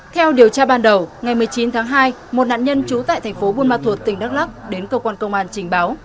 theo điều tra ban đầu ngày một mươi chín tháng hai một nạn nhân trú tại thành phố buôn ma thuột tỉnh đắk lắc đến cơ quan công an trình báo